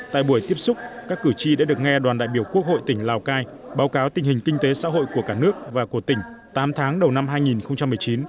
tại buổi tiếp xúc các cử tri đã được nghe đoàn đại biểu quốc hội tỉnh lào cai báo cáo tình hình kinh tế xã hội của cả nước và của tỉnh tám tháng đầu năm hai nghìn một mươi chín